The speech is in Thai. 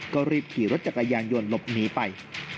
ก็รีบขี่รถจักรยานยนต์หลบหนีไป